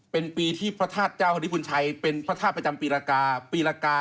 เป็นปีที่พระธาตุเจ้าฮริพุนชัยเป็นพระธาตุประจำปีรากาปีรากา